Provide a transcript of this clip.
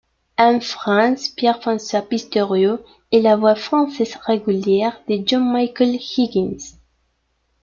En France, Pierre-François Pistorio est la voix française régulière de John Michael Higgins.